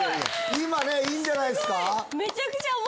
今ねいいんじゃないっすか？